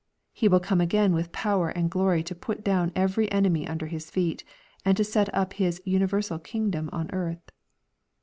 He will come again with power and glory to put down every enemy under His feet, and to set up His universal kingdom on earth.